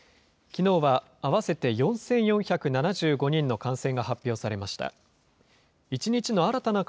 きのうは合わせて４４７５人の感染が発表されました。